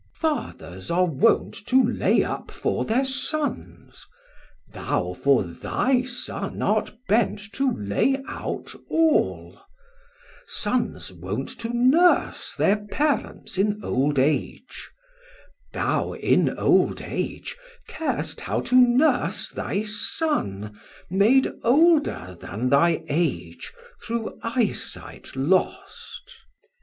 Chor: Fathers are wont to lay up for thir Sons, Thou for thy Son art bent to lay out all; Sons wont to nurse thir Parents in old age, Thou in old age car'st how to nurse thy Son, Made older then thy age through eye sight lost.